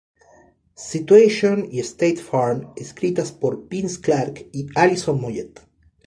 Situation y State Farm escritas por Vince Clarke y Alison Moyet.